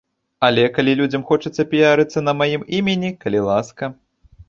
Але, калі людзям хочацца піярыцца на маім імені, калі ласка.